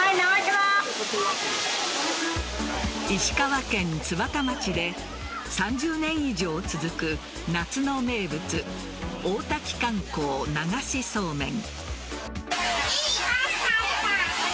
石川県津幡町で３０年以上続く夏の名物・大滝観光流しそうめん。